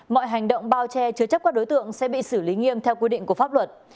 mọi hành động bao che chứa chấp các đối tượng sẽ bị xử lý nghiêm theo quy định của pháp luật